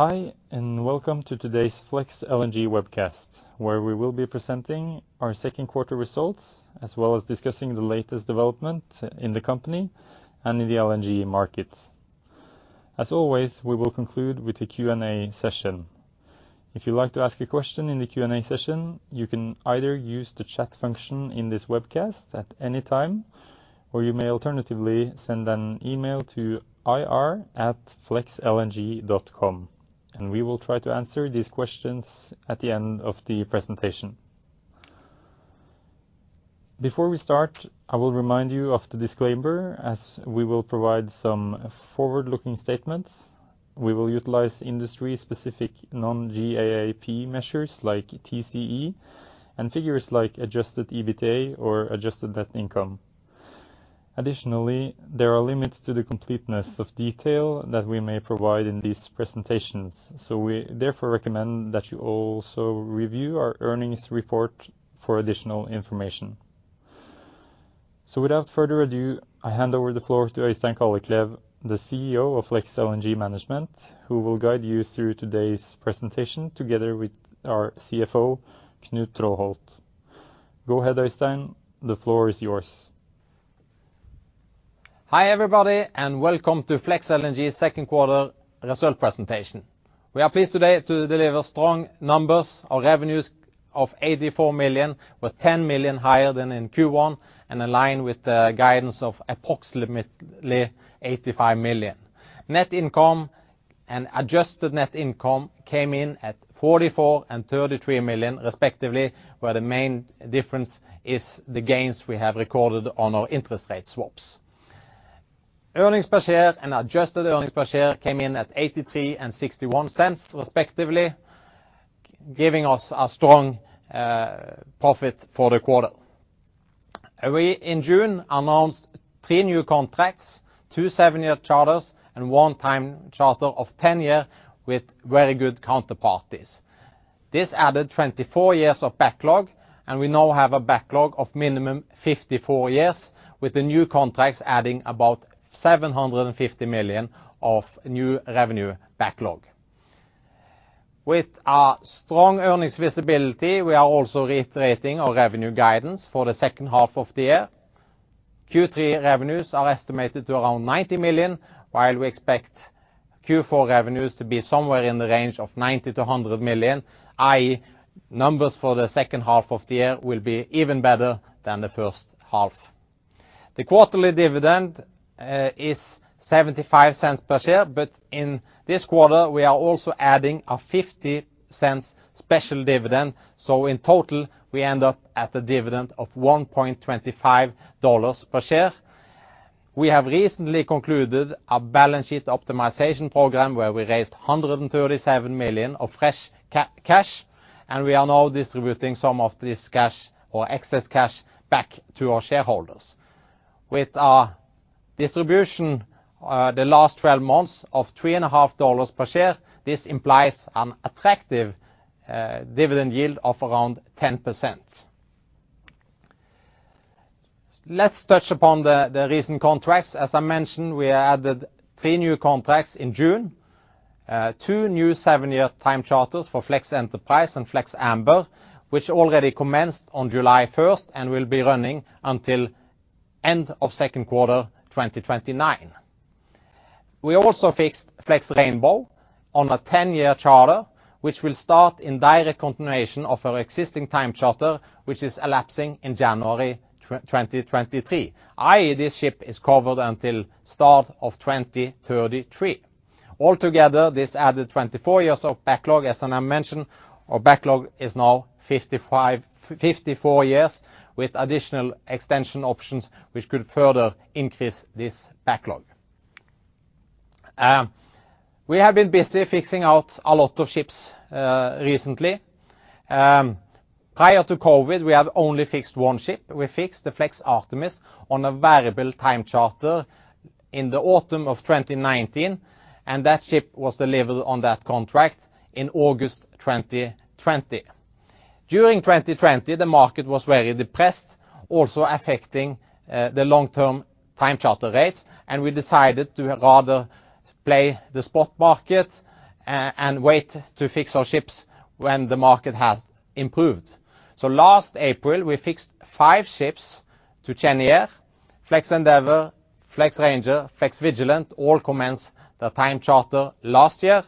Hi, and welcome to today's Flex LNG Webcast, where we will be presenting our second quarter results, as well as discussing the latest development in the company and in the LNG market. As always, we will conclude with a Q&A session. If you'd like to ask a question in the Q&A session, you can either use the chat function in this webcast at any time, or you may alternatively send an email to ir@flexlng.com, and we will try to answer these questions at the end of the presentation. Before we start, I will remind you of the disclaimer as we will provide some forward-looking statements. We will utilize industry-specific non-GAAP measures like TCE and figures like adjusted EBITDA or adjusted net income. Additionally, there are limits to the completeness of detail that we may provide in these presentations, so we therefore recommend that you also review our earnings report for additional information. Without further ado, I hand over the floor to Øystein Kalleklev, the CEO of Flex LNG Management, who will guide you through today's presentation together with our CFO, Knut Traaholt. Go ahead, Øystein. The floor is yours. Hi, everybody, and welcome to Flex LNG second quarter results presentation. We are pleased today to deliver strong numbers of revenues of $84 million, with $10 million higher than in Q1 and in line with the guidance of approximately $85 million. Net income and adjusted net income came in at $44 million and $33 million respectively, where the main difference is the gains we have recorded on our interest rate swaps. Earnings per share and adjusted earnings per share came in at $0.83 and $0.61 respectively, giving us a strong profit for the quarter. We, in June, announced three new contracts, two 7-year charters and one time charter of 10-year with very good counterparties. This added 24 years of backlog, and we now have a backlog of minimum 54 years, with the new contracts adding about $750 million of new revenue backlog. With our strong earnings visibility, we are also reiterating our revenue guidance for the second half of the year. Q3 revenues are estimated at around $90 million, while we expect Q4 revenues to be somewhere in the range of $90-$100 million, i.e., numbers for the second half of the year will be even better than the first half. The quarterly dividend is $0.75 per share, but in this quarter, we are also adding a $0.50 special dividend, so in total, we end up at a dividend of $1.25 per share. We have recently concluded a balance sheet optimization program where we raised $137 million of fresh cash, and we are now distributing some of this cash or excess cash back to our shareholders. With our distribution, the last 12 months of $3.5 per share, this implies an attractive dividend yield of around 10%. Let's touch upon the recent contracts. As I mentioned, we added 3 new contracts in June. Two new 7-year time charters for FLEX ENTERPRISE and Flex Amber, which already commenced on July 1 and will be running until end of Q2 2029. We also fixed FLEX RAINBOW on a 10-year charter, which will start in direct continuation of our existing time charter, which is elapsing in January 2023, i.e., this ship is covered until start of 2033. Altogether, this added 24 years of backlog. As I now mentioned, our backlog is now 54 years with additional extension options which could further increase this backlog. We have been busy fixing out a lot of ships recently. Prior to COVID, we have only fixed one ship. We fixed the Flex Artemis on a variable time charter in the autumn of 2019, and that ship was delivered on that contract in August 2020. During 2020, the market was very depressed, also affecting the long-term time charter rates, and we decided to rather play the spot market and wait to fix our ships when the market has improved. Last April, we fixed 5 ships to Cheniere, Flex Endeavour, Flex Ranger, Flex Vigilant, all commenced their time charter last year.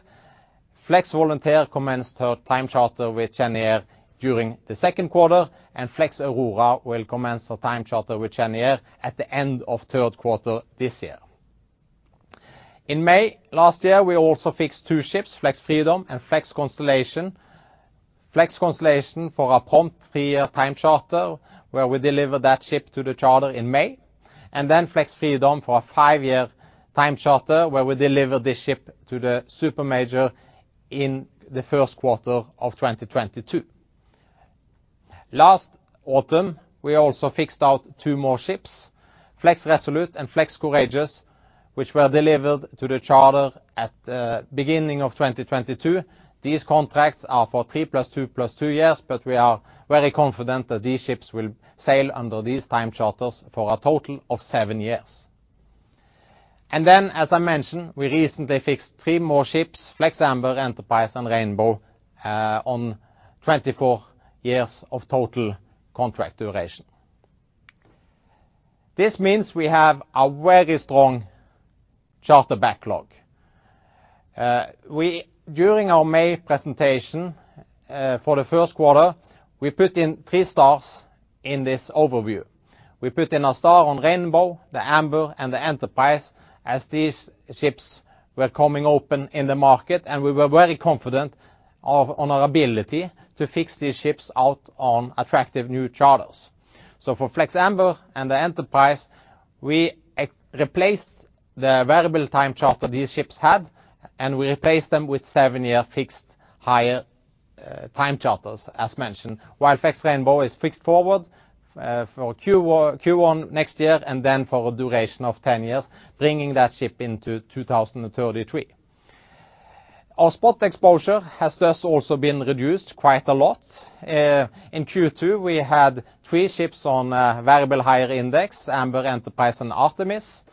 Flex Volunteer commenced her time charter with Cheniere during the second quarter, and Flex Aurora will commence her time charter with Cheniere at the end of third quarter this year. In May last year, we also fixed two ships, Flex Freedom and Flex Constellation. Flex Constellation for a prompt 3-year time charter where we delivered that ship to the charterer in May. Flex Freedom for a 5-year time charter where we delivered this ship to the supermajor in the first quarter of 2022. Last autumn, we also fixed out two more ships, Flex Resolute and Flex Courageous, which were delivered to the charterer at the beginning of 2022. These contracts are for 3 + 2 + 2 years, but we are very confident that these ships will sail under these time charters for a total of 7 years. As I mentioned, we recently fixed three more ships, Flex Amber, FLEX ENTERPRISE, and FLEX RAINBOW, on 24 years of total contract duration. This means we have a very strong charter backlog. During our May presentation, for the first quarter, we put in 3 stars in this overview. We put in a star on Rainbow, the Amber, and the Enterprise as these ships were coming open in the market, and we were very confident in our ability to fix these ships on attractive new charters. For Flex Amber and the Enterprise, we replaced the variable time charter these ships had, and we replaced them with 7-year fixed higher time charters as mentioned. While FLEX RAINBOW is fixed forward for Q1 next year and then for a duration of 10 years, bringing that ship into 2033. Our spot exposure has thus also been reduced quite a lot. In Q2, we had 3 ships on variable hire index, Amber, Enterprise, and Artemis.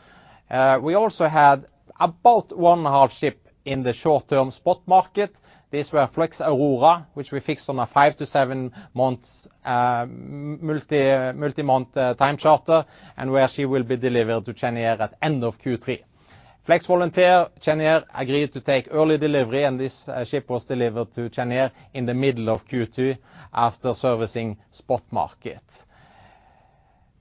We also had about one half ship in the short-term spot market. These were Flex Aurora, which we fixed on a 5-7 months, multi-month, time charter, and where she will be delivered to Cheniere at end of Q3. Flex Volunteer, Cheniere agreed to take early delivery, and this ship was delivered to Cheniere in the middle of Q2 after servicing spot market.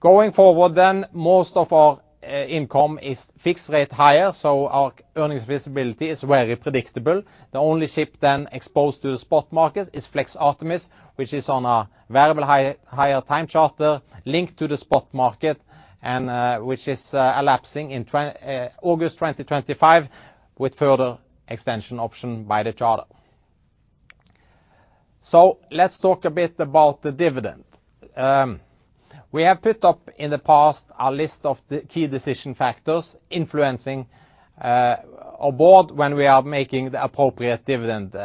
Going forward, most of our income is fixed rate hire, so our earnings visibility is very predictable. The only ship exposed to the spot market is Flex Artemis, which is on a variable hire time charter linked to the spot market and which is expiring in August 2025 with further extension option by the charterer. Let's talk a bit about the dividend. We have put up in the past a list of the key decision factors influencing our board when we are making the appropriate dividend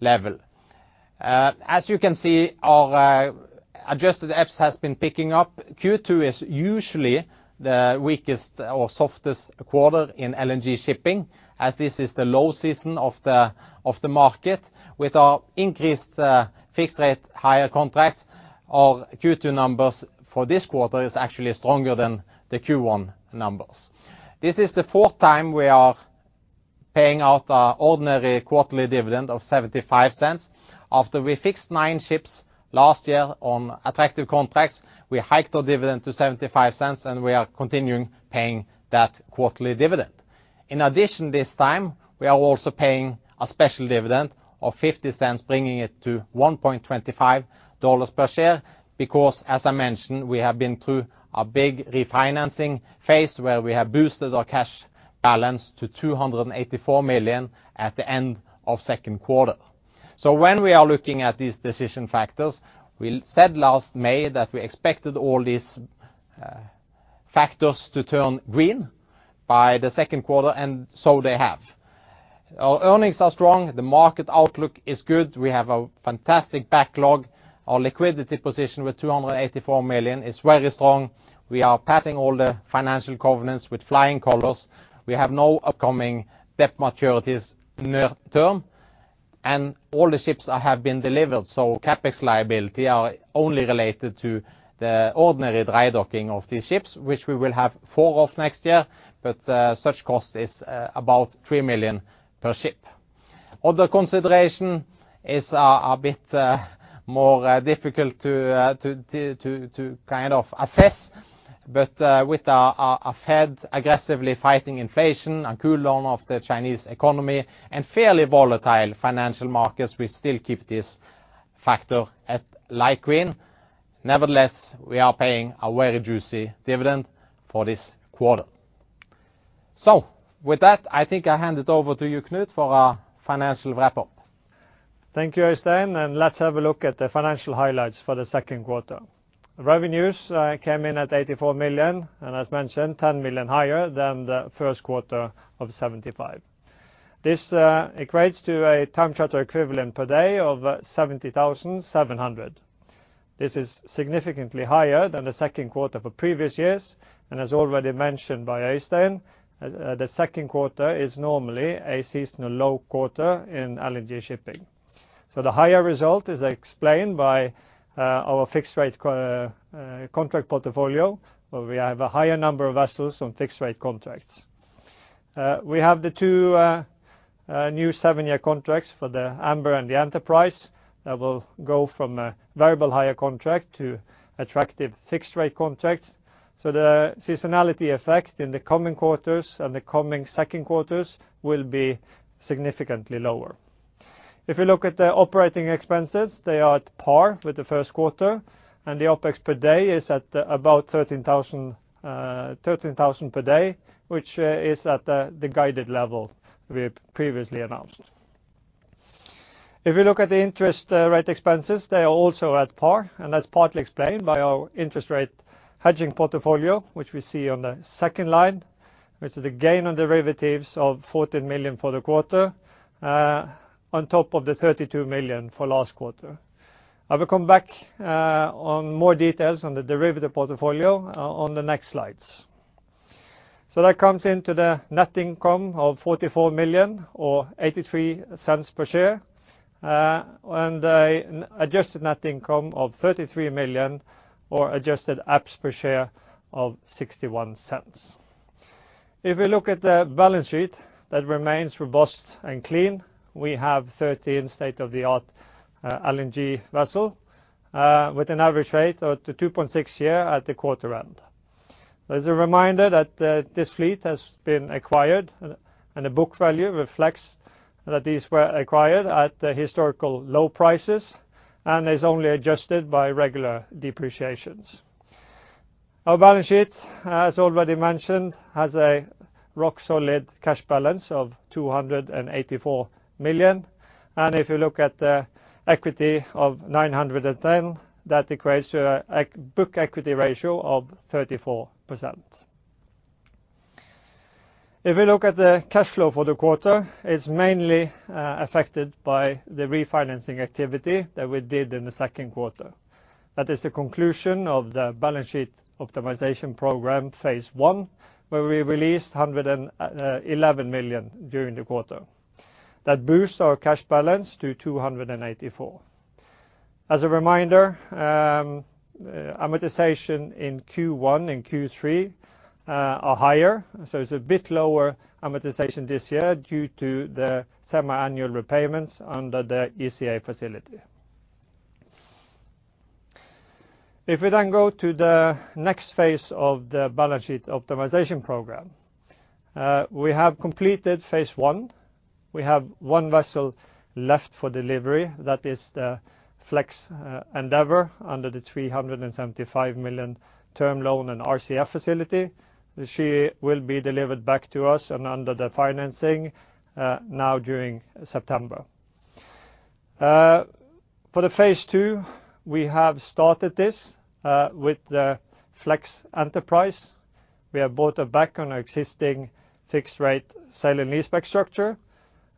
level. As you can see, our adjusted EPS has been picking up. Q2 is usually the weakest or softest quarter in LNG shipping, as this is the low season of the market. With our increased fixed rate higher contracts, our Q2 numbers for this quarter is actually stronger than the Q1 numbers. This is the fourth time we are paying out our ordinary quarterly dividend of $0.75. After we fixed 9 ships last year on attractive contracts, we hiked our dividend to $0.75, and we are continuing paying that quarterly dividend. In addition, this time, we are also paying a special dividend of $0.50, bringing it to $1.25 per share. Because, as I mentioned, we have been through a big refinancing phase where we have boosted our cash balance to $284 million at the end of second quarter. When we are looking at these decision factors, we said last May that we expected all these factors to turn green by the second quarter, and so they have. Our earnings are strong. The market outlook is good. We have a fantastic backlog. Our liquidity position with $284 million is very strong. We are passing all the financial covenants with flying colors. We have no upcoming debt maturities near term, and all the ships have been delivered. CapEx liability are only related to the ordinary dry docking of these ships, which we will have four of next year, but such cost is about $3 million per ship. Other consideration is a bit more difficult to kind of assess. With our Fed aggressively fighting inflation and cooldown of the Chinese economy and fairly volatile financial markets, we still keep this factor at light green. Nevertheless, we are paying a very juicy dividend for this quarter. With that, I think I hand it over to you, Knut, for our financial wrap-up. Thank you, Øystein, and let's have a look at the financial highlights for the second quarter. Revenues came in at $84 million, and as mentioned, $10 million higher than the first quarter of $75. This equates to a time charter equivalent per day of 70,700. This is significantly higher than the second quarter for previous years. As already mentioned by Øystein, the second quarter is normally a seasonal low quarter in LNG shipping. The higher result is explained by our fixed rate contract portfolio, where we have a higher number of vessels on fixed rate contracts. We have the two new seven-year contracts for the Amber and the Enterprise that will go from a variable higher contract to attractive fixed rate contracts. The seasonality effect in the coming quarters and the coming second quarters will be significantly lower. If you look at the operating expenses, they are at par with the first quarter, and the OpEx per day is at about $13,000 per day, which is at the guided level we previously announced. If you look at the interest rate expenses, they are also at par, and that's partly explained by our interest rate hedging portfolio, which we see on the second line, which is the gain on derivatives of $14 million for the quarter, on top of the $32 million for last quarter. I will come back on more details on the derivative portfolio on the next slides. That comes into the net income of $44 million or $0.83 per share, and an adjusted net income of $33 million or adjusted EPS per share of $0.61. If we look at the balance sheet, that remains robust and clean. We have 13 state-of-the-art LNG vessels with an average rate of 2.6 years at the quarter end. As a reminder, this fleet has been acquired and the book value reflects that these were acquired at the historical low prices and is only adjusted by regular depreciations. Our balance sheet, as already mentioned, has a rock solid cash balance of $284 million. If you look at the equity of $910 million, that equates to an equity to book ratio of 34%. If we look at the cash flow for the quarter, it's mainly affected by the refinancing activity that we did in the second quarter. That is the conclusion of the balance sheet optimization program phase one, where we released $111 million during the quarter. That boosts our cash balance to $284 million. As a reminder, amortization in Q1 and Q3 are higher, so it's a bit lower amortization this year due to the semiannual repayments under the ECA facility. If we then go to the next phase of the balance sheet optimization program, we have completed phase one. We have one vessel left for delivery. That is the Flex Endeavour under the $375 million term loan and RCF facility. She will be delivered back to us and under the financing now during September. For the phase two, we have started this with the FLEX ENTERPRISE. We have bought her back on our existing fixed rate sale and leaseback structure,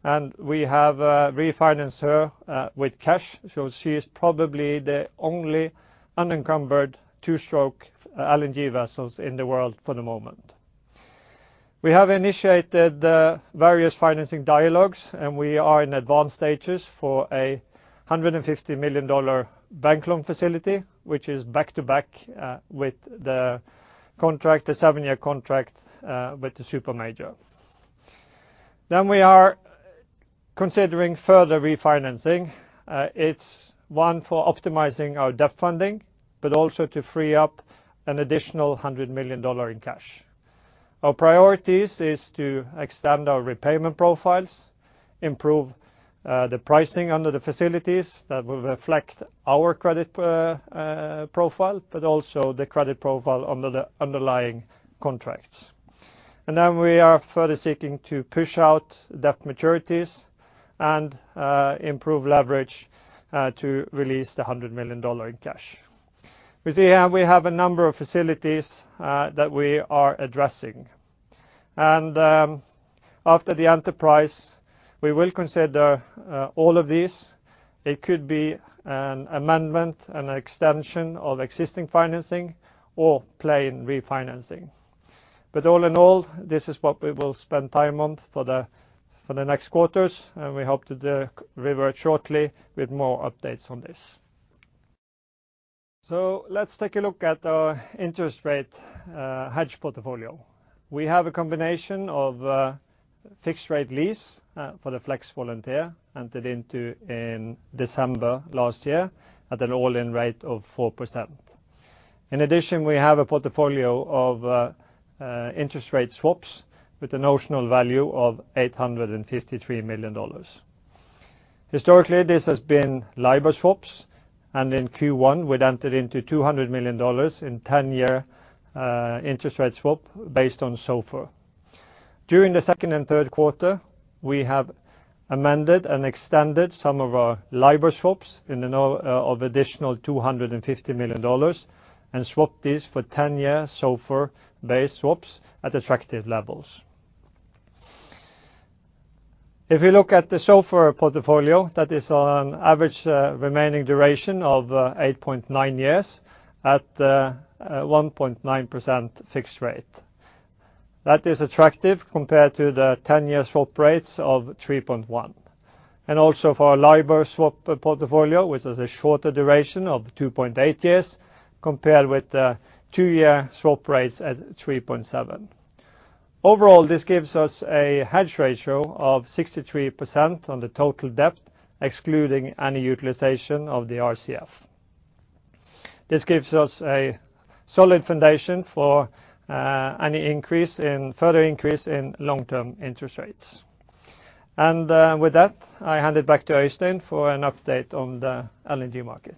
and we have refinanced her with cash, so she is probably the only unencumbered two-stroke LNG vessels in the world for the moment. We have initiated the various financing dialogues, and we are in advanced stages for a $150 million bank loan facility, which is back-to-back with the contract, the seven-year contract with the supermajor. We are considering further refinancing. It's one for optimizing our debt funding, but also to free up an additional $100 million in cash. Our priorities is to extend our repayment profiles, improve the pricing under the facilities that will reflect our credit profile, but also the credit profile under the underlying contracts. Then we are further seeking to push out debt maturities and improve leverage to release the $100 million in cash. We see here we have a number of facilities that we are addressing. After the FLEX ENTERPRISE, we will consider all of these. It could be an amendment, an extension of existing financing or plain refinancing. All in all, this is what we will spend time on for the next quarters, and we hope to revert shortly with more updates on this. Let's take a look at our interest rate hedge portfolio. We have a combination of fixed rate lease for the Flex Volunteer entered into in December last year at an all-in rate of 4%. In addition, we have a portfolio of interest rate swaps with a notional value of $853 million. Historically, this has been LIBOR swaps, and in Q1, we'd entered into $200 million in ten-year interest rate swap based on SOFR. During the second and third quarter, we have amended and extended some of our LIBOR swaps notional of additional $250 million and swapped these for ten-year SOFR based swaps at attractive levels. If you look at the SOFR portfolio, that is on average remaining duration of 8.9 years at 1.9% fixed rate. That is attractive compared to the ten-year swap rates of 3.1%. Also for our LIBOR swap portfolio, which is a shorter duration of 2.8 years compared with the two-year swap rates at 3.7. Overall, this gives us a hedge ratio of 63% on the total debt, excluding any utilization of the RCF. This gives us a solid foundation for further increase in long-term interest rates. With that, I hand it back to Øystein for an update on the LNG market.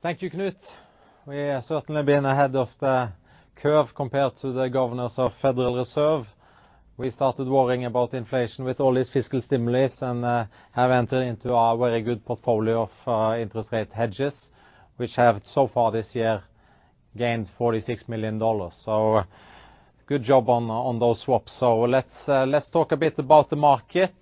Thank you, Knut. We have certainly been ahead of the curve compared to the governors of Federal Reserve. We started worrying about inflation with all this fiscal stimulus and have entered into a very good portfolio of interest rate hedges, which have so far this year. Gained $46 million. Good job on those swaps. Let's talk a bit about the market.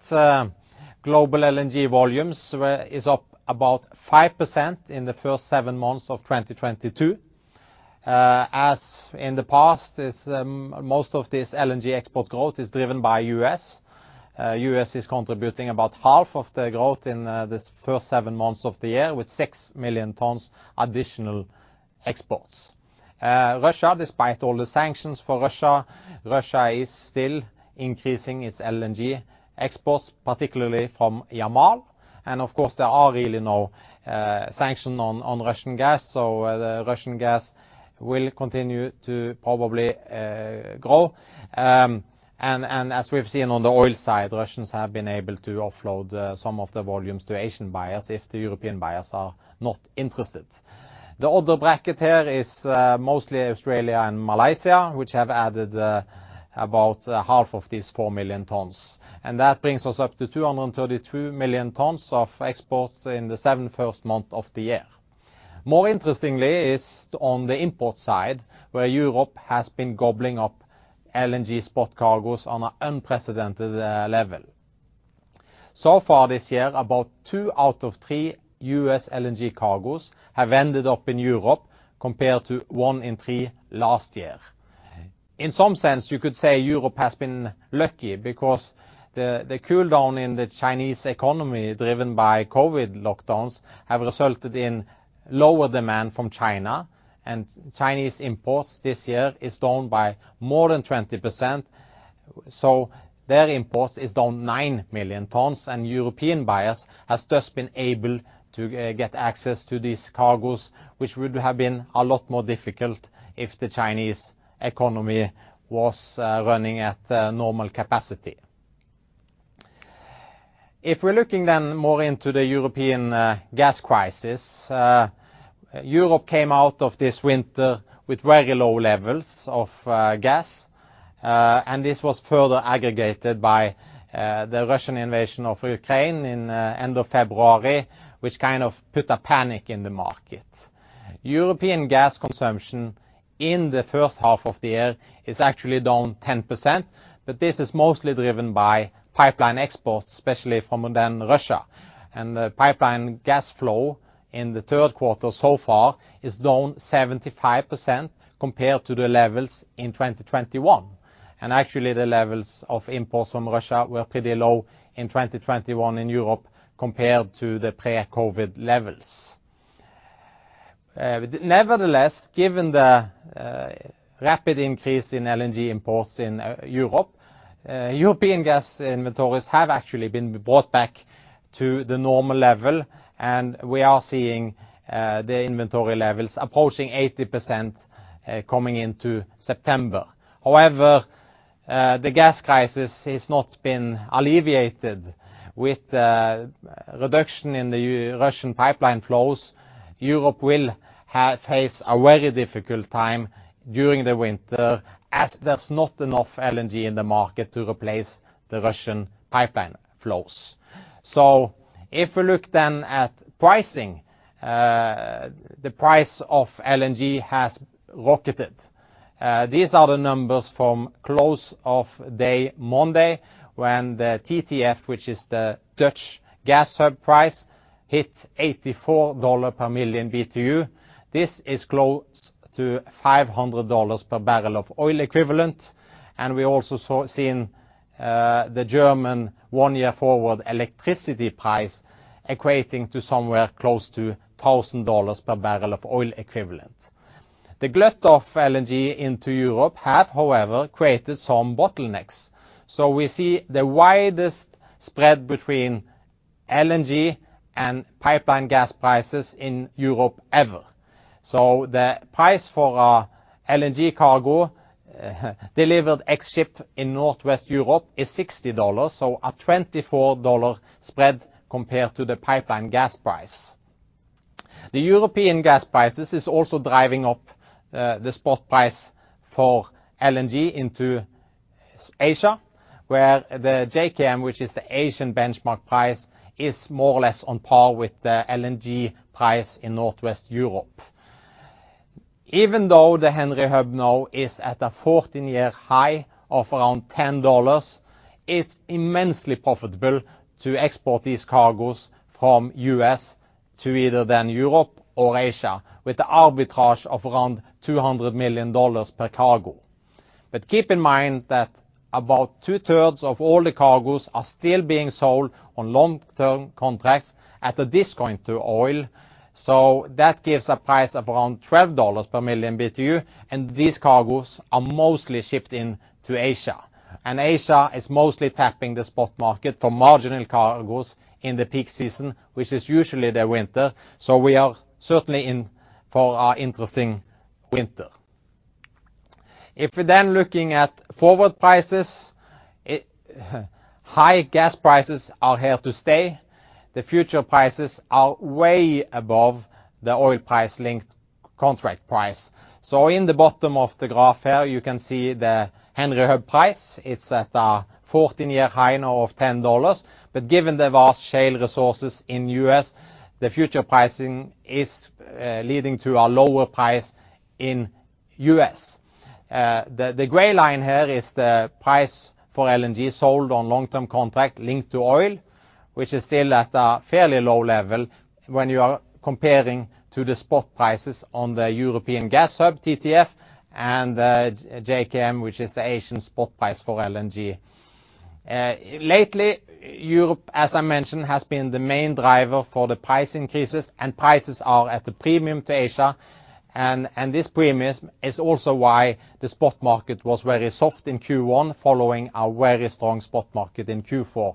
Global LNG volumes is up about 5% in the first 7 months of 2022. As in the past, this most of this LNG export growth is driven by U.S. U.S. is contributing about half of the growth in this first 7 months of the year, with 6 million tons additional exports. Russia, despite all the sanctions for Russia, is still increasing its LNG exports, particularly from Yamal. Of course, there are really no sanction on Russian gas. The Russian gas will continue to probably grow. As we've seen on the oil side, Russians have been able to offload some of the volumes to Asian buyers if the European buyers are not interested. The other bracket here is mostly Australia and Malaysia, which have added about half of these 4 million tons. That brings us up to 232 million tons of exports in the first seven months of the year. More interestingly is on the import side, where Europe has been gobbling up LNG spot cargos on an unprecedented level. Far this year, about 2/3 U.S. LNG cargos have ended up in Europe, compared to 1/3 last year. In some sense, you could say Europe has been lucky because the cool down in the Chinese economy, driven by COVID lockdowns, have resulted in lower demand from China. Chinese imports this year is down by more than 20%, so their imports is down 9 million tons. European buyers has just been able to get access to these cargos, which would have been a lot more difficult if the Chinese economy was running at normal capacity. If we're looking then more into the European gas crisis, Europe came out of this winter with very low levels of gas. This was further aggravated by the Russian invasion of Ukraine in end of February, which kind of put a panic in the market. European gas consumption in the first half of the year is actually down 10%, but this is mostly driven by pipeline imports, especially from within Russia. The pipeline gas flow in the third quarter so far is down 75% compared to the levels in 2021. Actually, the levels of imports from Russia were pretty low in 2021 in Europe compared to the pre-COVID levels. Nevertheless, given the rapid increase in LNG imports in Europe, European gas inventories have actually been brought back to the normal level. We are seeing the inventory levels approaching 80%, coming into September. However, the gas crisis has not been alleviated with the reduction in the Russian pipeline flows. Europe will face a very difficult time during the winter, as there's not enough LNG in the market to replace the Russian pipeline flows. If we look then at pricing, the price of LNG has rocketed. These are the numbers from close of day Monday, when the TTF, which is the Dutch gas hub price, hit $84 per million BTU. This is close to $500 per barrel of oil equivalent. We also saw the German one-year forward electricity price equating to somewhere close to $1,000 per barrel of oil equivalent. The glut of LNG into Europe have, however, created some bottlenecks. We see the widest spread between LNG and pipeline gas prices in Europe ever. The price for LNG cargo delivered ex ship in Northwest Europe is $60, so a $24 spread compared to the pipeline gas price. The European gas prices is also driving up the spot price for LNG into Asia, where the JKM, which is the Asian benchmark price, is more or less on par with the LNG price in Northwest Europe. Even though the Henry Hub now is at a 14-year high of around $10, it's immensely profitable to export these cargos from U.S. to either Europe or Asia, with the arbitrage of around $200 million per cargo. Keep in mind that about two-thirds of all the cargos are still being sold on long-term contracts at a discount to oil. That gives a price of around $12 per million BTU, and these cargos are mostly shipped into Asia. Asia is mostly tapping the spot market for marginal cargos in the peak season, which is usually the winter. We are certainly in for an interesting winter. If we're then looking at forward prices, high gas prices are here to stay. The future prices are way above the oil price-linked contract price. In the bottom of the graph here, you can see the Henry Hub price. It's at a 14-year high now of $10. But given the vast shale resources in U.S., the future pricing is leading to a lower price in U.S. The gray line here is the price for LNG sold on long-term contract linked to oil, which is still at a fairly low level when you are comparing to the spot prices on the European gas hub, TTF, and JKM, which is the Asian spot price for LNG. Lately, Europe, as I mentioned, has been the main driver for the price increases and prices are at a premium to Asia. This premium is also why the spot market was very soft in Q1 following a very strong spot market in Q4.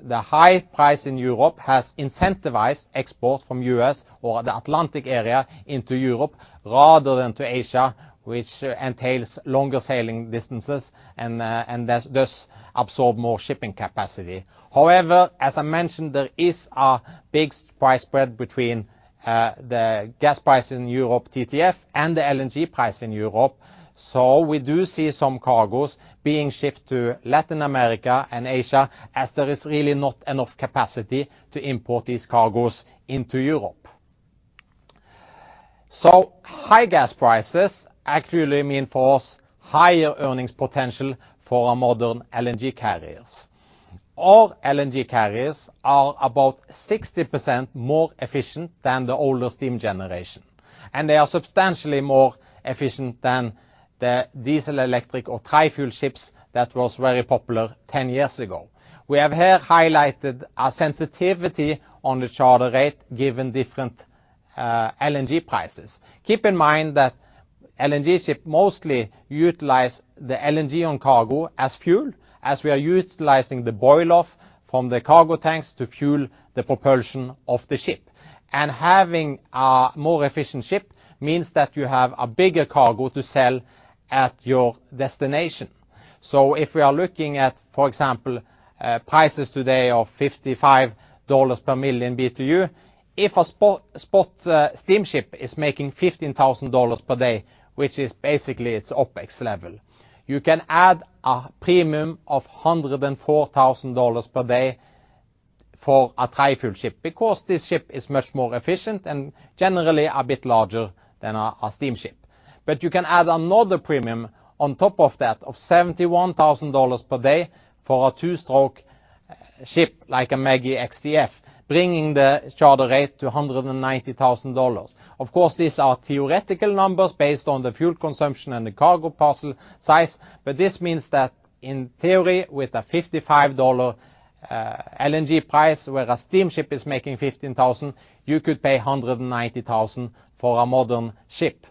The high price in Europe has incentivized export from US or the Atlantic area into Europe rather than to Asia, which entails longer sailing distances and thus absorb more shipping capacity. However, as I mentioned, there is a big price spread between the gas price in Europe TTF and the LNG price in Europe. We do see some cargoes being shipped to Latin America and Asia as there is really not enough capacity to import these cargoes into Europe. High gas prices actually mean for us higher earnings potential for our modern LNG carriers. All LNG carriers are about 60% more efficient than the older steam generation, and they are substantially more efficient than the diesel-electric or tri-fuel ships that was very popular 10 years ago. We have here highlighted a sensitivity on the charter rate given different LNG prices. Keep in mind that LNG ship mostly utilize the LNG on cargo as fuel, as we are utilizing the boil-off from the cargo tanks to fuel the propulsion of the ship. Having a more efficient ship means that you have a bigger cargo to sell at your destination. If we are looking at, for example, prices today of $55 per million BTU, if a spot steamship is making $15,000 per day, which is basically its OpEx level, you can add a premium of $104,000 per day for a tri-fuel ship because this ship is much more efficient and generally a bit larger than a steamship. You can add another premium on top of that of $71,000 per day for a two-stroke ship, like a MEGI X-DF, bringing the charter rate to $190,000. Of course, these are theoretical numbers based on the fuel consumption and the cargo parcel size, but this means that in theory, with a $55 LNG price where a steamship is making $15,000, you could pay $190,000 for a modern ship.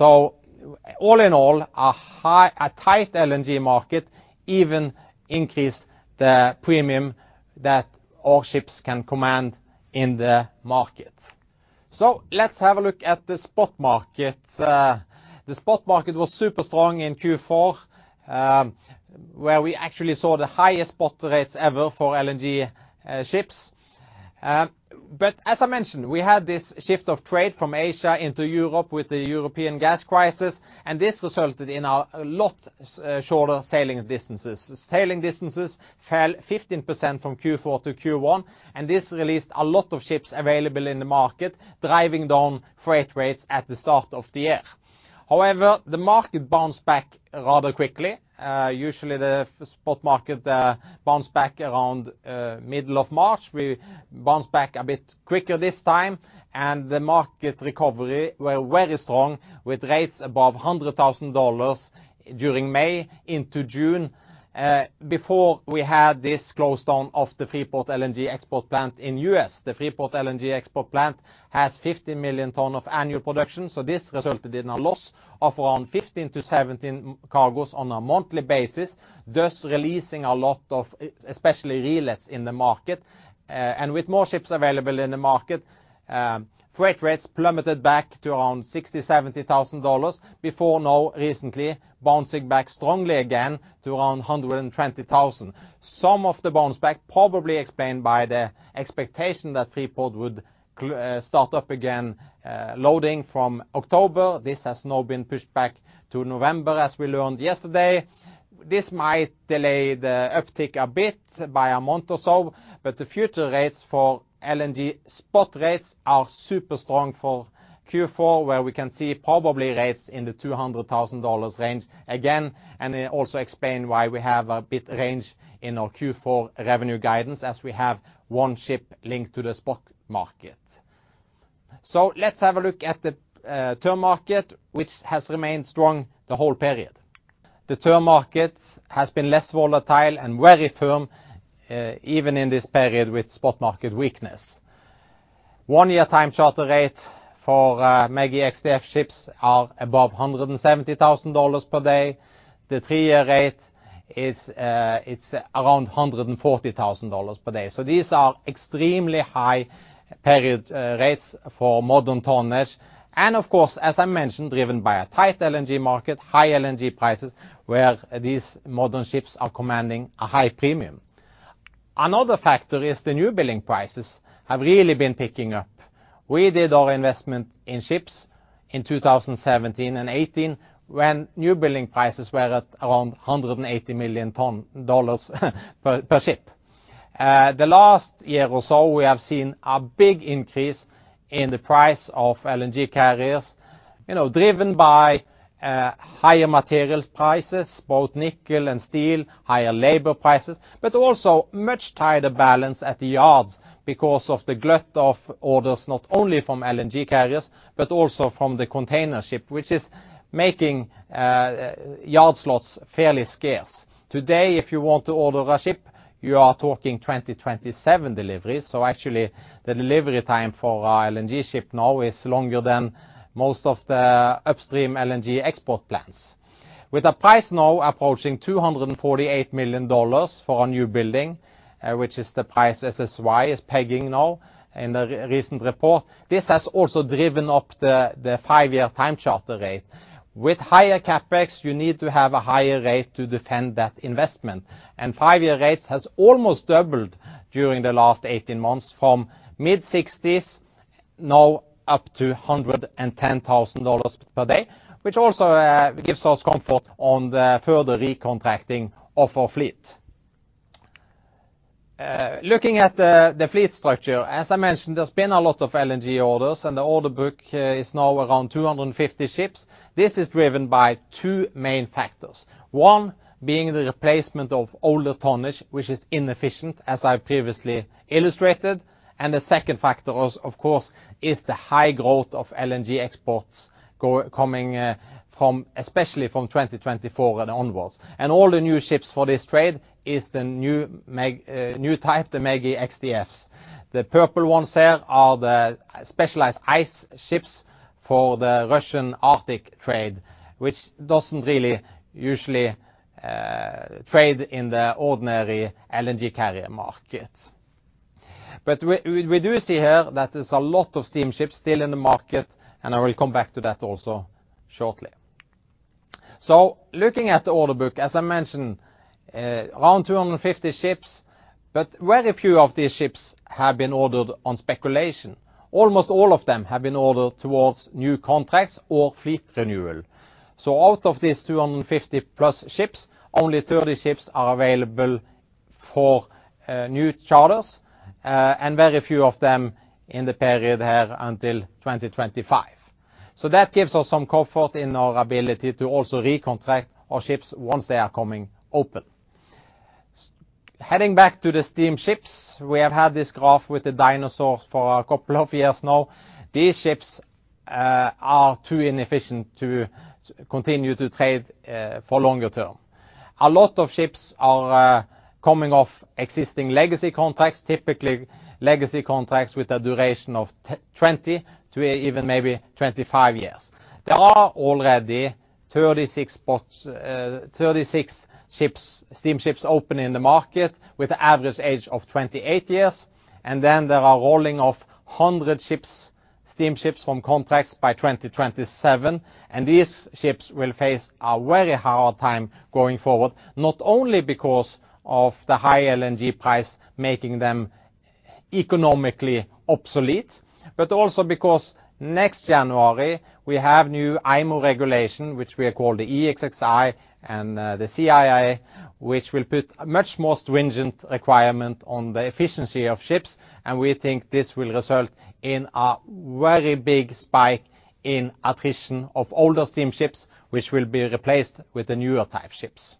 All in all, a tight LNG market even increase the premium that all ships can command in the market. Let's have a look at the spot market. The spot market was super strong in Q4, where we actually saw the highest spot rates ever for LNG ships. As I mentioned, we had this shift of trade from Asia into Europe with the European gas crisis, and this resulted in a lot shorter sailing distances. Sailing distances fell 15% from Q4 to Q1, and this released a lot of ships available in the market, driving down freight rates at the start of the year. However, the market bounced back rather quickly. Usually the spot market bounce back around middle of March. We bounced back a bit quicker this time, and the market recovery were very strong with rates above $100,000 during May into June, before we had this closed down of the Freeport LNG export plant in U.S. The Freeport LNG export plant has 50 million tons of annual production, so this resulted in a loss of around 15 to 17 cargoes on a monthly basis, thus releasing a lot of especially relets in the market. With more ships available in the market, freight rates plummeted back to around $60,000-$70,000 before now recently bouncing back strongly again to around $120,000. Some of the bounce back probably explained by the expectation that Freeport would start up again, loading from October. This has now been pushed back to November, as we learned yesterday. This might delay the uptick a bit by a month or so, but the future rates for LNG spot rates are super strong for Q4, where we can see probably rates in the $200,000 range again. It also explain why we have a bit range in our Q4 revenue guidance as we have one ship linked to the spot market. Let's have a look at the term market, which has remained strong the whole period. The term market has been less volatile and very firm, even in this period with spot market weakness. One-year time charter rate for MEGI X-DF ships are above $170,000 per day. The three-year rate is, it's around $140,000 per day. These are extremely high period rates for modern tonnage. Of course, as I mentioned, driven by a tight LNG market, high LNG prices, where these modern ships are commanding a high premium. Another factor is the new building prices have really been picking up. We did our investment in ships in 2017 and 2018 when new building prices were at around $180 million per ship. The last year or so, we have seen a big increase in the price of LNG carriers, you know, driven by higher materials prices, both nickel and steel, higher labor prices, but also much tighter balance at the yards because of the glut of orders, not only from LNG carriers, but also from the container ship, which is making yard slots fairly scarce. Today, if you want to order a ship, you are talking 2027 delivery. Actually the delivery time for our LNG ship now is longer than most of the upstream LNG export plans. With the price now approaching $248 million for a new building, which is the price SSY is pegging now in the recent report, this has also driven up the five-year time charter rate. With higher CapEx, you need to have a higher rate to defend that investment. Five-year rates has almost doubled during the last 18 months from mid-60s, now up to $110,000 per day, which also gives us comfort on the further recontracting of our fleet. Looking at the fleet structure, as I mentioned, there's been a lot of LNG orders, and the order book is now around 250 ships. This is driven by two main factors. One being the replacement of older tonnage, which is inefficient, as I previously illustrated. The second factor, of course, is the high growth of LNG exports coming, especially from 2024 and onwards. All the new ships for this trade is the new type, the MEGI X-DFs. The purple ones there are the specialized ice ships for the Russian Arctic trade, which doesn't really usually trade in the ordinary LNG carrier market. We do see here that there's a lot of steamships still in the market, and I will come back to that also shortly. Looking at the order book, as I mentioned, around 250 ships, but very few of these ships have been ordered on speculation. Almost all of them have been ordered towards new contracts or fleet renewal. Out of these 250+ ships, only 30 ships are available for new charters, and very few of them in the period here until 2025. That gives us some comfort in our ability to also recontract our ships once they are coming open. Heading back to the steamships, we have had this graph with the dinosaurs for a couple of years now. These ships are too inefficient to continue to trade for longer term. A lot of ships are coming off existing legacy contracts, typically legacy contracts with a duration of 20 to even maybe 25 years. There are already 36 ships, steamships open in the market with average age of 28 years. Then there are roll-off of 100 ships, steamships from contracts by 2027, and these ships will face a very hard time going forward, not only because of the high LNG price making them economically obsolete, but also because next January we have new IMO regulation, which we call the EEXI and the CII, which will put a much more stringent requirement on the efficiency of ships. We think this will result in a very big spike in attrition of older steamships, which will be replaced with the newer type ships.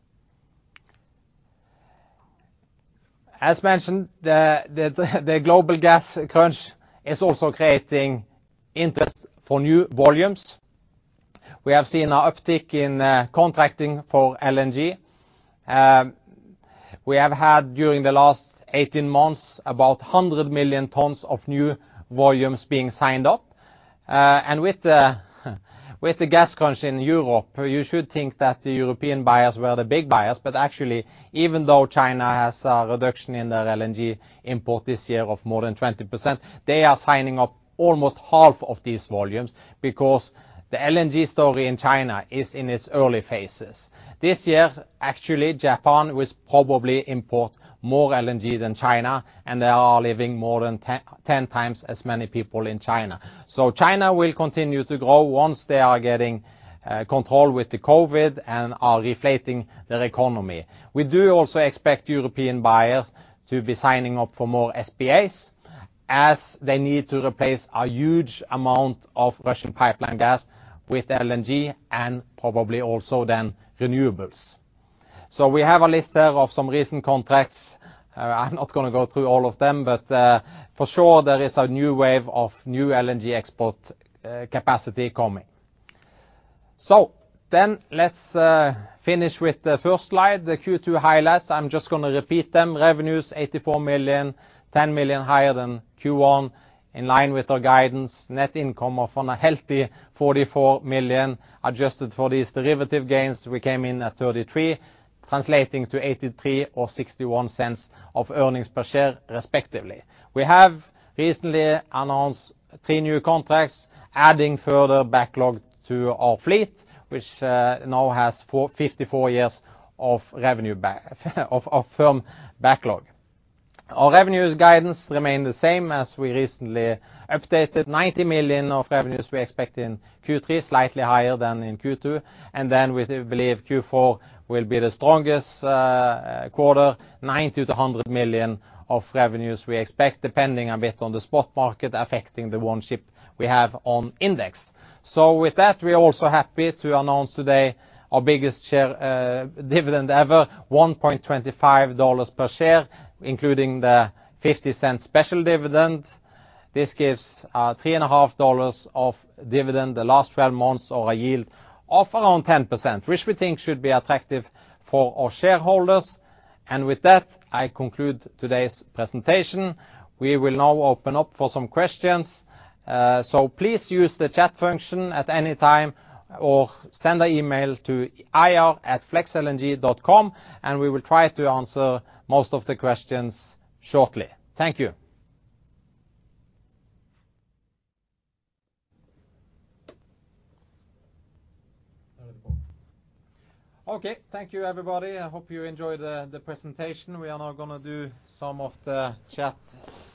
As mentioned, the global gas crunch is also creating interest for new volumes. We have seen an uptick in contracting for LNG. We have had during the last 18 months about 100 million tons of new volumes being signed up. With the gas crunch in Europe, you should think that the European buyers were the big buyers, but actually, even though China has a reduction in their LNG import this year of more than 20%, they are signing up almost half of these volumes because the LNG story in China is in its early phases. This year, actually, Japan will probably import more LNG than China, and there live more than 10 times as many people in China. China will continue to grow once they are getting control with the COVID and are reflating their economy. We also expect European buyers to be signing up for more SPAs as they need to replace a huge amount of Russian pipeline gas with LNG and probably also then renewables. We have a list there of some recent contracts. I'm not gonna go through all of them, but for sure there is a new wave of LNG export capacity coming. Let's finish with the first slide, the Q2 highlights. I'm just gonna repeat them. Revenues, $84 million, $10 million higher than Q1, in line with our guidance. Net income, on a healthy $44 million. Adjusted for these derivative gains, we came in at $33 million, translating to $0.83 or $0.61 earnings per share, respectively. We have recently announced 3 new contracts, adding further backlog to our fleet, which now has 4.54 years of revenue of firm backlog. Our revenues guidance remain the same as we recently updated. $90 million of revenues we expect in Q3, slightly higher than in Q2. We believe Q4 will be the strongest quarter. $90 million-$100 million of revenues we expect, depending a bit on the spot market affecting the one ship we have on index. With that, we are also happy to announce today our biggest share dividend ever, $1.25 per share, including the $0.50 special dividend. This gives $3.50 of dividend the last 12 months or a yield of around 10%, which we think should be attractive for our shareholders. With that, I conclude today's presentation. We will now open up for some questions. Please use the chat function at any time or send an email to ir@flexlng.com and we will try to answer most of the questions shortly. Thank you. Okay. Thank you everybody. I hope you enjoyed the presentation. We are now gonna do some of the chat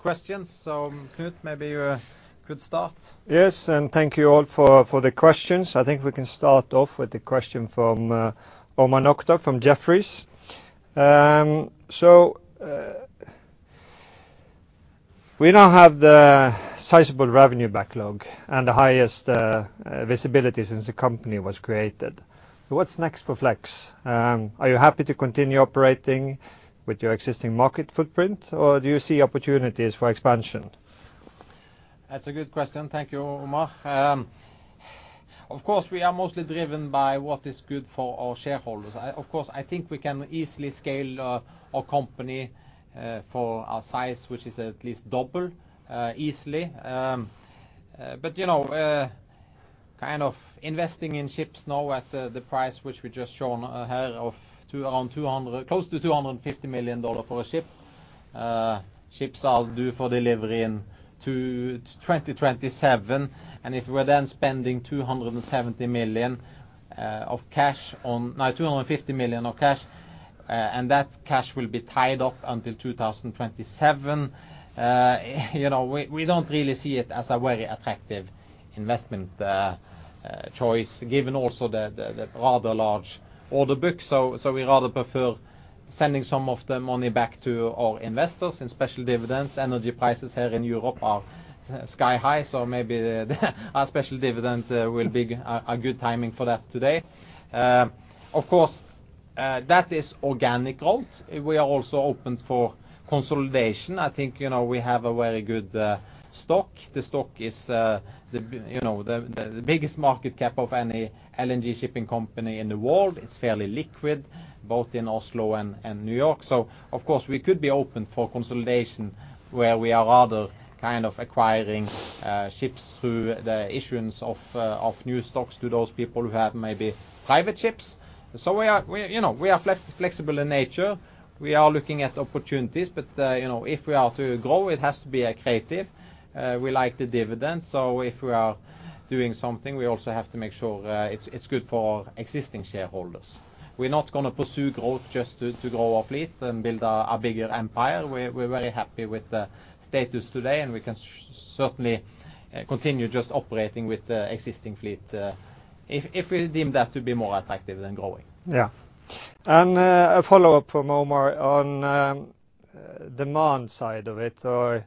questions. Knut, maybe you could start. Yes, thank you all for the questions. I think we can start off with the question from Omar Nokta from Jefferies. We now have the sizable revenue backlog and the highest visibility since the company was created. What's next for Flex? Are you happy to continue operating with your existing market footprint, or do you see opportunities for expansion? That's a good question. Thank you, Omar. Of course, we are mostly driven by what is good for our shareholders. Of course, I think we can easily scale our company for our size, which is at least double, easily. But you know, kind of investing in ships now at the price which we just showed ahead of $250 million for a ship, ships are due for delivery into 2027. If we're then spending $270 million of cash on... no, $250 million of cash, and that cash will be tied up until 2027, you know, we don't really see it as a very attractive investment choice given also the rather large order book. We'd rather prefer sending some of the money back to our investors in special dividends. Energy prices here in Europe are sky high, so maybe our special dividend will be a good timing for that today. Of course, that is organic growth. We are also open for consolidation. I think, you know, we have a very good stock. The stock is the biggest market cap of any LNG shipping company in the world. It's fairly liquid, both in Oslo and New York. Of course, we could be open for consolidation, where we are rather kind of acquiring ships through the issuance of new stocks to those people who have maybe private ships. We are, you know, flexible in nature. We are looking at opportunities, but you know, if we are to grow, it has to be creative. We like the dividends, so if we are doing something, we also have to make sure it's good for existing shareholders. We're not gonna pursue growth just to grow our fleet and build a bigger empire. We're very happy with the status quo today, and we can certainly continue just operating with the existing fleet, if we deem that to be more attractive than growing. A follow-up from Omar on the demand side of it, or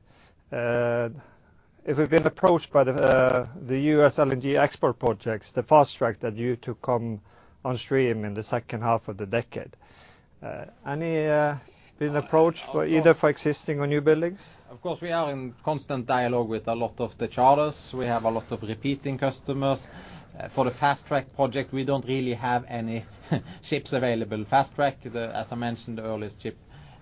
if we've been approached by the U.S. LNG export projects, the fast track that you took come on stream in the second half of the decade. Any been approached for either existing or new buildings? Of course, we are in constant dialogue with a lot of the charters. We have a lot of repeating customers. For the fast track project, we don't really have any ships available. As I mentioned, the earliest ship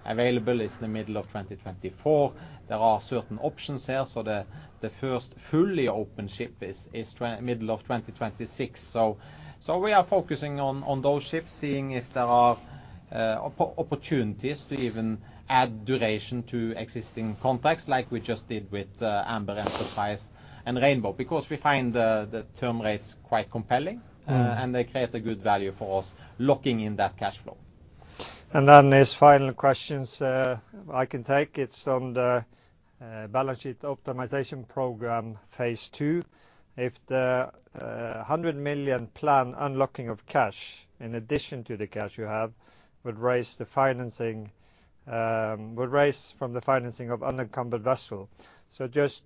available is the middle of 2024. There are certain options here. The first fully open ship is the middle of 2026. We are focusing on those ships, seeing if there are opportunities to even add duration to existing contracts like we just did with Amber, Enterprise and Rainbow, because we find the term rates quite compelling. Mm-hmm They create a good value for us locking in that cash flow. His final questions, I can take. It's on the balance sheet optimization program, Phase Two. If the $100 million plan unlocking of cash in addition to the cash you have would raise from the financing of unencumbered vessel, just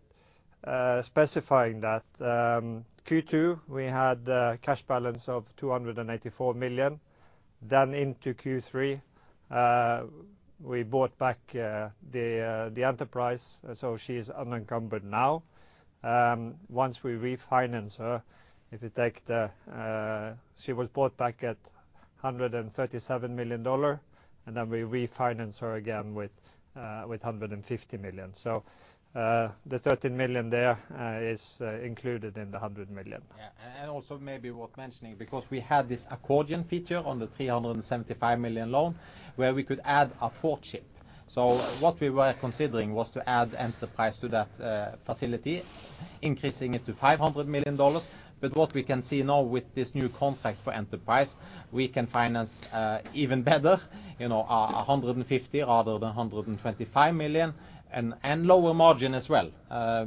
specifying that. Q2, we had a cash balance of $284 million. Into Q3, we bought back the FLEX ENTERPRISE, so she's unencumbered now. Once we refinance her. She was bought back at $137 million, and then we refinance her again with $150 million. The $13 million there is included in the $100 million. Yeah. Also maybe worth mentioning, because we had this accordion feature on the $375 million loan, where we could add a fourth ship. What we were considering was to add Enterprise to that facility, increasing it to $500 million. But what we can see now with this new contract for Enterprise, we can finance even better, you know, $150 million rather than $125 million, and lower margin as well,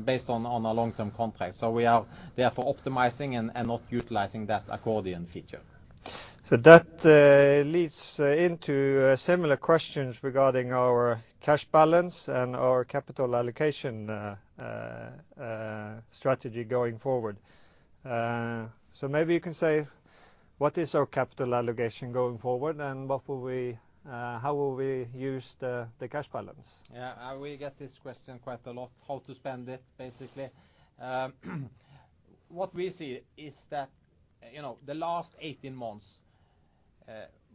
based on a long-term contract. We are therefore optimizing and not utilizing that accordion feature. That leads into similar questions regarding our cash balance and our capital allocation strategy going forward. Maybe you can say, what is our capital allocation going forward, and how will we use the cash balance? Yeah, I will get this question quite a lot, how to spend it, basically. What we see is that, you know, the last 18 months,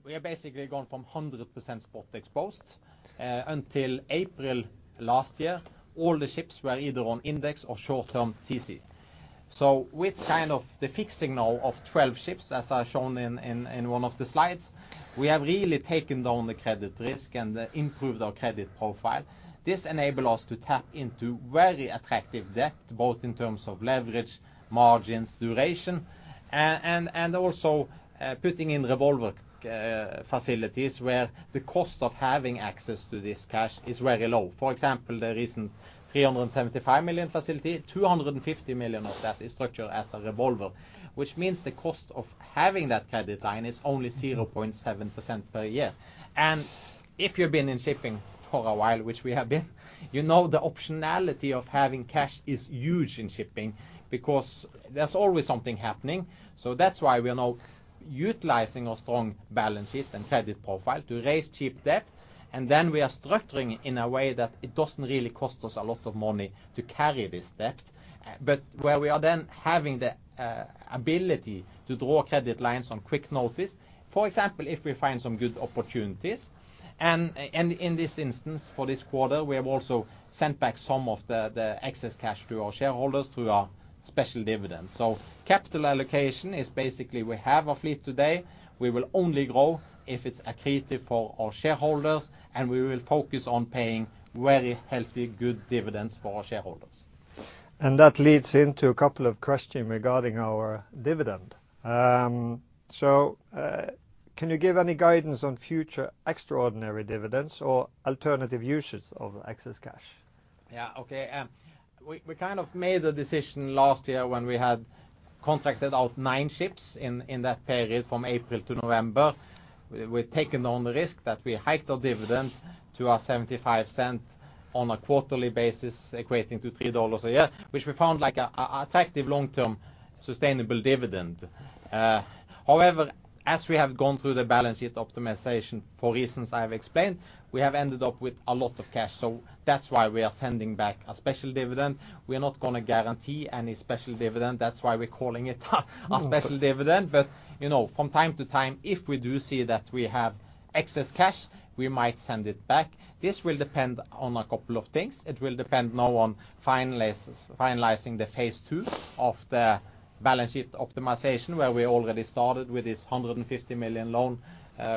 we are basically going from 100% spot exposed. Until April last year, all the ships were either on index or short-term TC. With kind of the fixing now of 12 ships, as I shown in one of the slides, we have really taken down the credit risk and improved our credit profile. This enable us to tap into very attractive debt, both in terms of leverage, margins, duration, and also putting in revolving credit facilities where the cost of having access to this cash is very low. For example, the recent $375 million facility, $250 million of that is structured as a revolver, which means the cost of having that credit line is only 0.7% per year. If you've been in shipping for a while, which we have been, you know the optionality of having cash is huge in shipping because there's always something happening. That's why we are now utilizing our strong balance sheet and credit profile to raise cheap debt, and then we are structuring in a way that it doesn't really cost us a lot of money to carry this debt. Where we are then having the ability to draw credit lines on quick notice, for example, if we find some good opportunities. In this instance, for this quarter, we have also sent back some of the excess cash to our shareholders through our special dividend. Capital allocation is basically we have a fleet today. We will only grow if it's accretive for our shareholders, and we will focus on paying very healthy, good dividends for our shareholders. That leads into a couple of questions regarding our dividend. Can you give any guidance on future extraordinary dividends or alternative uses of excess cash? Yeah. Okay. We kind of made the decision last year when we had contracted out 9 ships in that period from April to November. We're taking on the risk that we hiked our dividend to $0.75 on a quarterly basis, equating to $3 a year, which we found like a attractive long-term sustainable dividend. However, as we have gone through the balance sheet optimization, for reasons I've explained, we have ended up with a lot of cash. That's why we are sending back a special dividend. We are not gonna guarantee any special dividend. That's why we're calling it a special dividend. You know, from time to time, if we do see that we have excess cash, we might send it back. This will depend on a couple of things. It will depend now on finalizing the phase two of the balance sheet optimization, where we already started with this $150 million loan,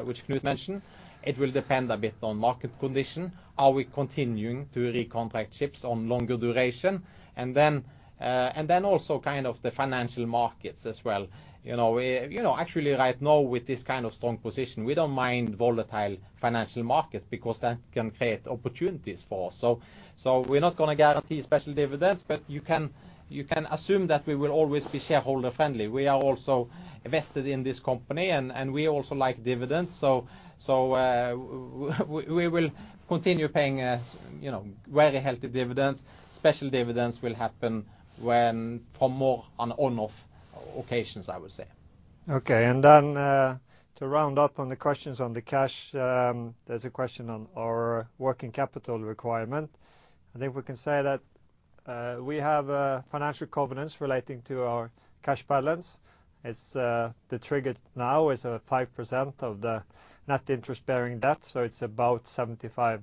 which Knut mentioned. It will depend a bit on market condition. Are we continuing to recontract ships on longer duration? Then also kind of the financial markets as well. You know, actually right now with this kind of strong position, we don't mind volatile financial markets because that can create opportunities for us. So, we're not gonna guarantee special dividends, but you can assume that we will always be shareholder friendly. We are also invested in this company and we also like dividends, so we will continue paying, you know, very healthy dividends. Special dividends will happen from time to time, on and off occasions, I would say. Okay. To round up on the questions on the cash, there's a question on our working capital requirement. I think we can say that, we have financial covenants relating to our cash balance. It's the trigger now is 5% of the net interest-bearing debt, so it's about $75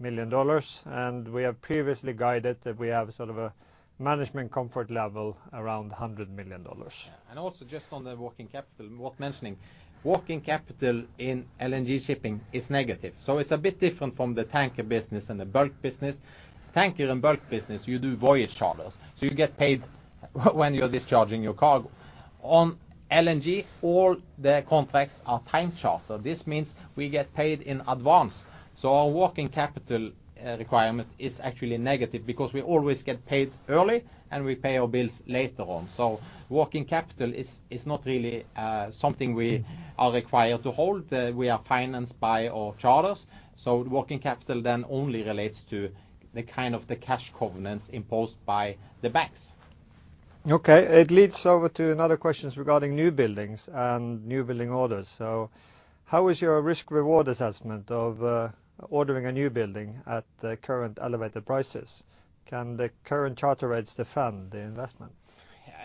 million. We have previously guided that we have sort of a management comfort level around $100 million. Yeah. Also just on the working capital worth mentioning, working capital in LNG shipping is negative. It's a bit different from the tanker business and the bulk business. Tanker and bulk business, you do voyage charters, so you get paid when you're discharging your cargo. On LNG, all the contracts are time charter. This means we get paid in advance. Our working capital requirement is actually negative because we always get paid early, and we pay our bills later on. Working capital is not really something we are required to hold. We are financed by our charters, so working capital then only relates to the kind of the cash covenants imposed by the banks. Okay. It leads over to another question regarding new buildings and new building orders. How is your risk-reward assessment of ordering a new building at the current elevated prices? Can the current charter rates defend the investment?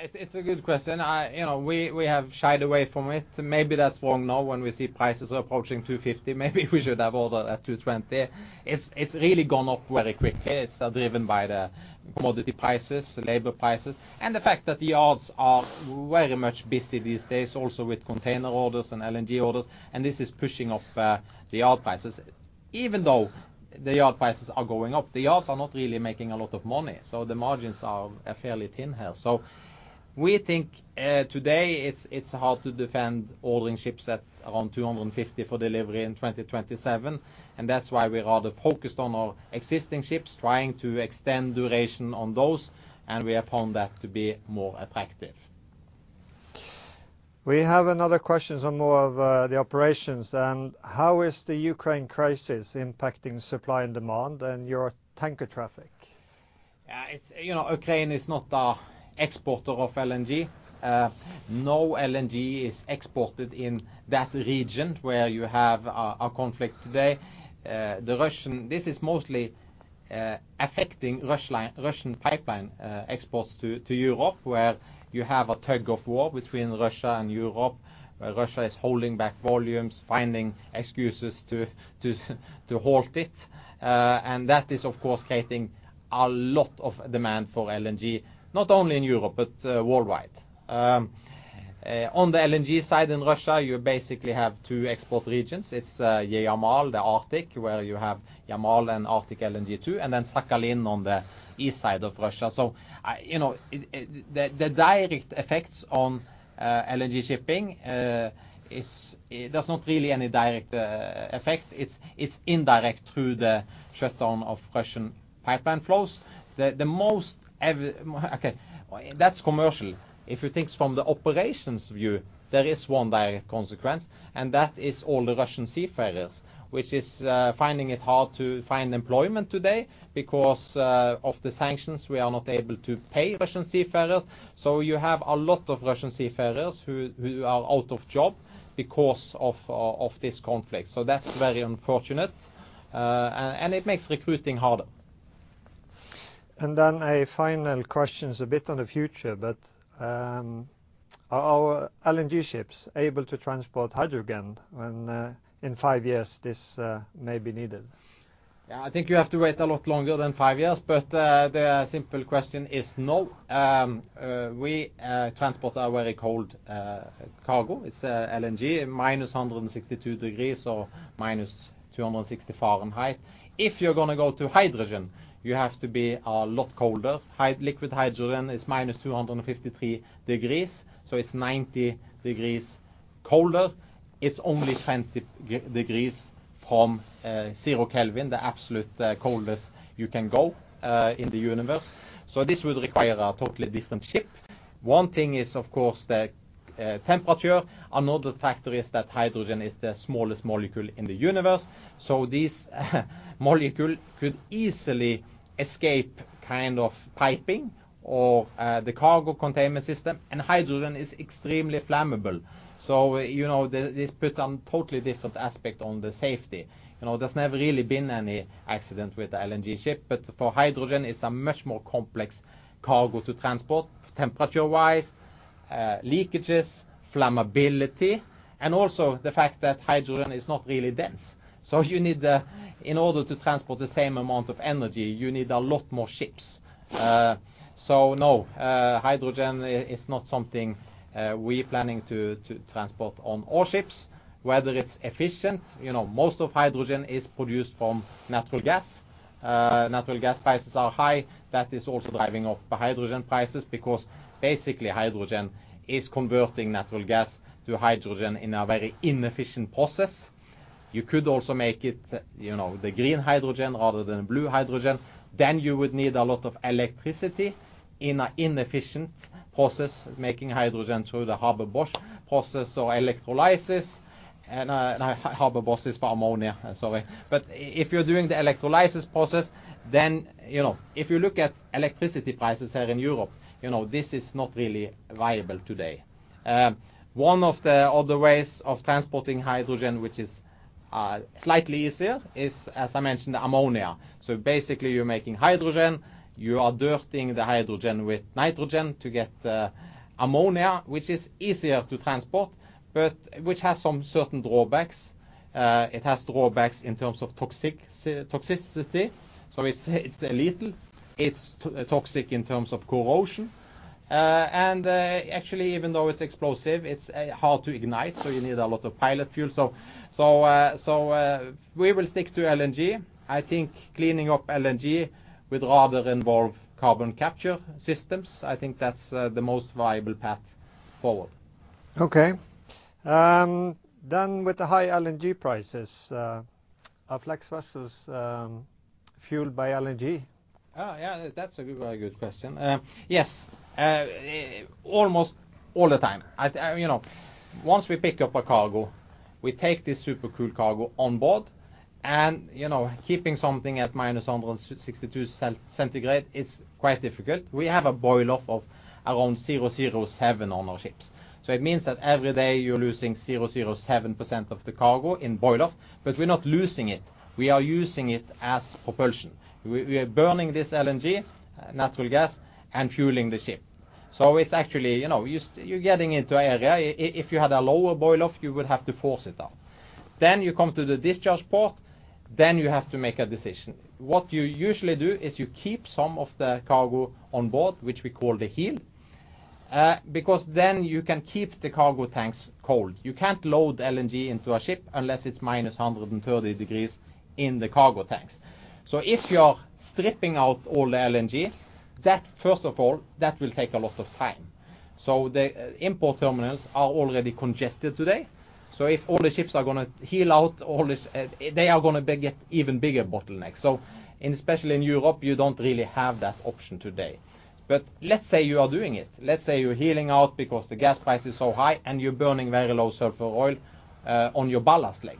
It's a good question. You know, we have shied away from it. Maybe that's wrong now when we see prices approaching $250. Maybe we should have ordered at $220. It's really gone up very quickly. It's driven by the commodity prices, labor prices, and the fact that the yards are very much busy these days also with container orders and LNG orders, and this is pushing up the yard prices. Even though the yard prices are going up, the yards are not really making a lot of money, so the margins are fairly thin here. We think today it's hard to defend ordering ships at around $250 for delivery in 2027, and that's why we're rather focused on our existing ships, trying to extend duration on those, and we have found that to be more attractive. We have another question on more of, the operations and how is the Ukraine crisis impacting supply and demand and your tanker traffic? You know, Ukraine is not an exporter of LNG. No LNG is exported in that region where you have a conflict today. This is mostly affecting Russian pipeline exports to Europe where you have a tug-of-war between Russia and Europe, where Russia is holding back volumes, finding excuses to halt it. That is, of course, creating a lot of demand for LNG, not only in Europe, but worldwide. On the LNG side in Russia, you basically have two export regions. It's Yamal, the Arctic, where you have Yamal and Arctic LNG 2, and then Sakhalin on the east side of Russia. You know, the direct effects on LNG shipping is there's not really any direct effect. It's indirect through the shutdown of Russian pipeline flows. That's commercial. If you think from the operations view, there is one direct consequence, and that is all the Russian seafarers which is finding it hard to find employment today. Because of the sanctions, we are not able to pay Russian seafarers, so you have a lot of Russian seafarers who are out of job because of this conflict. That's very unfortunate. It makes recruiting harder. A final question is a bit on the future, but are LNG ships able to transport hydrogen when, in five years, this may be needed? Yeah. I think you have to wait a lot longer than 5 years, but the simple question is no. We transport a very cold cargo. It's LNG, -162 degrees or -260 Fahrenheit. If you're gonna go to hydrogen, you have to be a lot colder. Liquid hydrogen is -253 degrees, so it's 90 degrees colder. It's only 20 degrees from 0 Kelvin, the absolute coldest you can go in the universe. So this would require a totally different ship. One thing is, of course, the temperature. Another factor is that hydrogen is the smallest molecule in the universe, so this molecule could easily escape kind of piping or the cargo containment system. Hydrogen is extremely flammable, so, you know, this put some totally different aspect on the safety. You know, there's never really been any accident with the LNG ship, but for hydrogen, it's a much more complex cargo to transport temperature-wise, leakages, flammability, and also the fact that hydrogen is not really dense. You need, in order to transport the same amount of energy, you need a lot more ships. No, hydrogen is not something we planning to transport on our ships. Whether it's efficient, you know, most of hydrogen is produced from natural gas. Natural gas prices are high. That is also driving up the hydrogen prices because basically hydrogen is converting natural gas to hydrogen in a very inefficient process. You could also make it, you know, the green hydrogen rather than blue hydrogen, then you would need a lot of electricity in an inefficient process making hydrogen through the Haber-Bosch process or electrolysis. Haber-Bosch is for ammonia. Sorry. If you're doing the electrolysis process, then, you know, if you look at electricity prices here in Europe, you know, this is not really viable today. One of the other ways of transporting hydrogen, which is slightly easier is, as I mentioned, ammonia. Basically you're making hydrogen, you are dirtying the hydrogen with nitrogen to get ammonia, which is easier to transport, but which has some certain drawbacks. It has drawbacks in terms of toxicity. It's lethal. It's toxic in terms of corrosion. Actually, even though it's explosive, it's hard to ignite, so you need a lot of pilot fuel. We will stick to LNG. I think cleaning up LNG would rather involve carbon capture systems. I think that's the most viable path forward. Okay. With the high LNG prices, are Flex vessels fueled by LNG? Oh, yeah, that's a very good question. Yes. Almost all the time. You know, once we pick up a cargo, we take this super cool cargo on board and, you know, keeping something at -162 degrees Celsius is quite difficult. We have a boil off of around 0.07% on our ships, so it means that every day you're losing 0.07% of the cargo in boil off. We're not losing it. We are using it as propulsion. We are burning this LNG, natural gas, and fueling the ship. It's actually, you know, you're getting into area, if you had a lower boil off, you would have to force it down. You come to the discharge port, then you have to make a decision. What you usually do is you keep some of the cargo on board, which we call the heel. Because then you can keep the cargo tanks cold. You can't load LNG into a ship unless it's -130 degrees in the cargo tanks. If you are stripping out all the LNG, that, first of all, that will take a lot of time. The import terminals are already congested today, so if all the ships are gonna heel out all this, they are gonna get even bigger bottleneck. Especially in Europe, you don't really have that option today. Let's say you are doing it, let's say you're heeling out because the gas price is so high and you're burning very low sulfur oil on your ballast leg.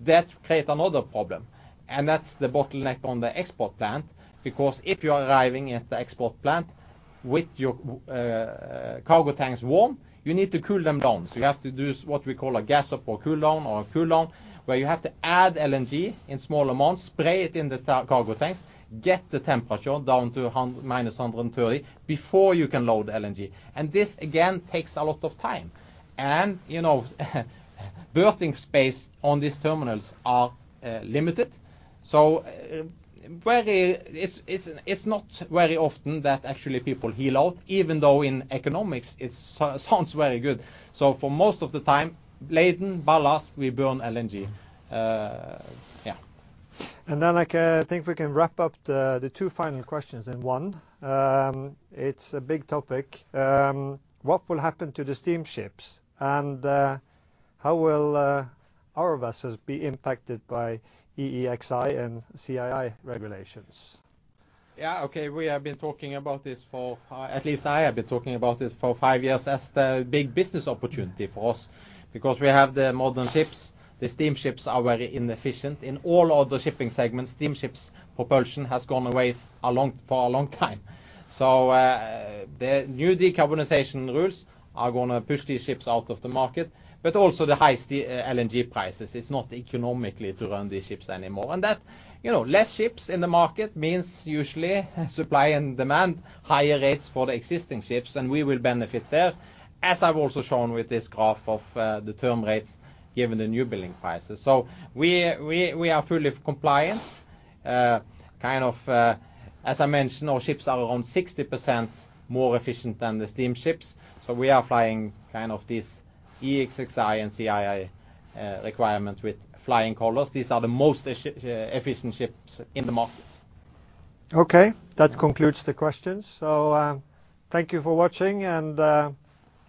That create another problem, and that's the bottleneck on the export plant, because if you are arriving at the export plant with your cargo tanks warm, you need to cool them down. You have to do is what we call a gas up or cool down or a cool down, where you have to add LNG in small amounts, spray it in the cargo tanks, get the temperature down to -130 degrees before you can load LNG. This again takes a lot of time. You know, berthing space on these terminals are limited, very. It's not very often that actually people heel out, even though in economics it sounds very good. For most of the time, laden ballast, we burn LNG. I think we can wrap up the two final questions in one. It's a big topic. What will happen to the steam ships and how will our vessels be impacted by EEXI and CII regulations? Yeah, okay. We have been talking about this for at least I have been talking about this for five years as the big business opportunity for us because we have the modern ships. The steam ships are very inefficient. In all of the shipping segments, steam ships propulsion has gone away for a long time. The new decarbonization rules are gonna push these ships out of the market, but also the high LNG prices, it's not economical to run these ships anymore. That, you know, less ships in the market means usually supply and demand, higher rates for the existing ships, and we will benefit there, as I've also shown with this graph of the term rates given the newbuilding prices. We are fully compliant. Kind of, as I mentioned, our ships are around 60% more efficient than the steam ships, so we are flying kind of this EEXI and CII requirement with flying colors. These are the most efficient ships in the market. Okay. That concludes the questions. Thank you for watching and.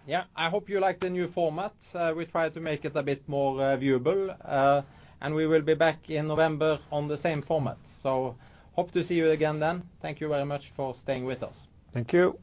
Yeah. I hope you like the new format. We try to make it a bit more viewable. We will be back in November on the same format. Hope to see you again then. Thank you very much for staying with us. Thank you.